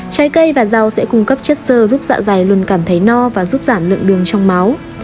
trái cây và rau sẽ cung cấp chất sơ giúp dạ dày luôn cảm thấy no và giúp giảm lượng đường trong máu